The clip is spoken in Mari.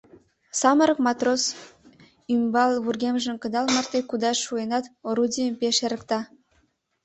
Самырык матрос ӱмбал вургемжым кыдал марте кудаш шуэнат, орудийым пеш эрыкта.